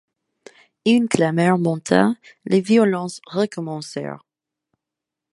Une clameur monta, les violences recommencèrent.